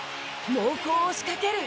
猛攻を仕掛ける。